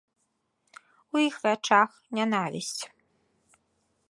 У іх вачах нянавісць.